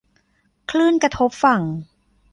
คลื่นกระทบฝั่ง